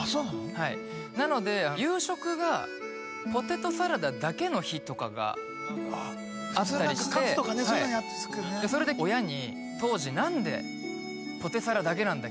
はいなので夕食がポテトサラダだけの日とかがあったりして普通カツとかねそういうのそれで親に当時「なんでポテサラだけなんだ